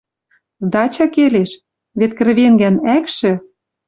«Сдача келеш... Вет кӹрвенгӓн ӓкшӹ...